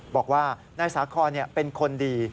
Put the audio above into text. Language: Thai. บอกว่านายสาคอนเป็นคนดี